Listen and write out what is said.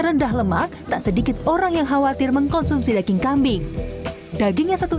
rendah lemak tak sedikit orang yang khawatir mengkonsumsi daging kambing dagingnya satu